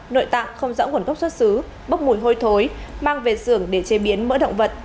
nội tạng không rõ nguồn gốc xuất xứ bốc mùi hôi thối mang về xưởng để chế biến mỡ động vật